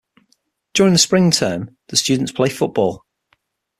During the spring term the students play football.